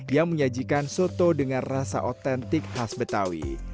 yang menyajikan soto dengan rasa otentik khas betawi